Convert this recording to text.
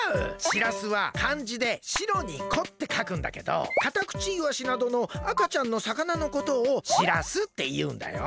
しらすはかんじで「白」に「子」ってかくんだけどカタクチイワシなどの赤ちゃんのさかなのことをしらすっていうんだよ。